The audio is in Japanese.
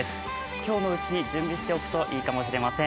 今日のうちに準備しておくといいかもしれません。